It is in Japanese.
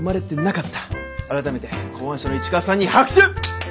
改めて考案者の市川さんに拍手！